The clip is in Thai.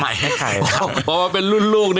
ผมจะมีรูปภาพของพระพิสุนุกรรม